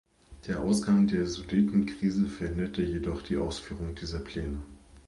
Der Ausgang der Sudetenkrise verhinderte jedoch die Ausführung dieser Pläne.